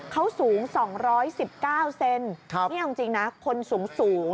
เขาสูง๒๑๙เซนติมส๑๘๙๐นะคนสูง